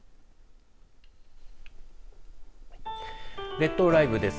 列島ライブです。